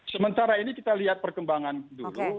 sementara ini kita lihat perkembangan dulu